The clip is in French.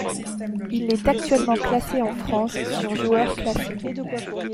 Il est actuellement classé en France sur joueurs classés.